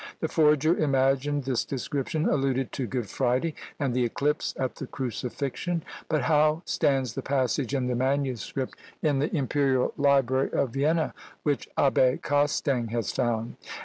The forger imagined this description alluded to Good Friday and the eclipse at the Crucifixion. But how stands the passage in the MS. in the Imperial Library of Vienna, which Abbé Costaing has found?